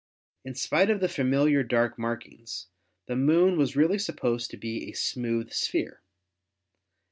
In spite of the familiar dark markings, the Moon was really supposed to be a smooth sphere.